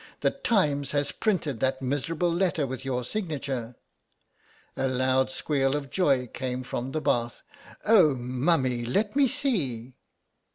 The Times has printed that miserable letter with your signature." A loud squeal of joy came from the bath. "Oh, Mummy! Let me see!"